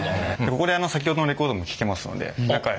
ここで先ほどのレコードも聴けますので中へ。